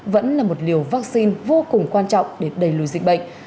vẫn là một liều vaccine vô cùng quan trọng để đẩy lùi dịch bệnh